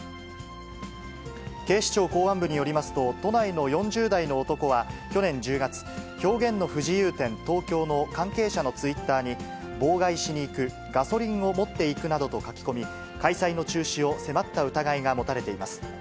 警視庁公安部によりますと、都内の４０代の男は去年１０月、表現の不自由展・東京の関係者のツイッターに、妨害しに行く、ガソリンを持っていくなどと書き込み、開催の中止を迫った疑いが持たれています。